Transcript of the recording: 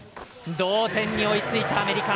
同点に追いついたアメリカ。